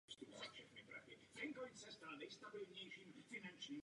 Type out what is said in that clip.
Nemůžeme se se spokojit s konstatováním, že výdaje jsou zákonné.